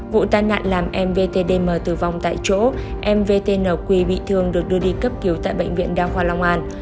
vụ tàn nạn làm mvt dm tử vong tại chỗ mvt nq bị thương được đưa đi cấp cứu tại bệnh viện đao khoa long an